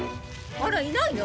あらいないの？